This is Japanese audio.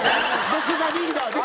別なリーダーで。